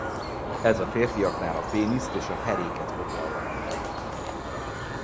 Ez férfiaknál a péniszt és a heréket foglalja magába.